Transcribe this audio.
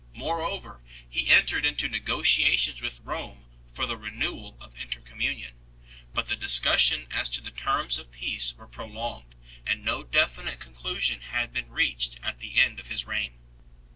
Moreover, he entered into negotiations with Rome for the renewal of intercommunion, but the discussions as to the terms of peace were prolonged, and no definite conclusion had been reached at the end of his reign.